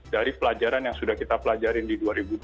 dari pelajaran yang sudah kita pelajari di dua ribu dua puluh